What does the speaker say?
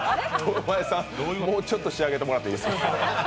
堂前さん、もうちょっと仕上げてもらっていいですか？